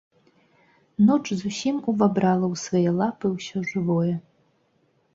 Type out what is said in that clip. Ноч зусім увабрала ў свае лапы ўсё жывое.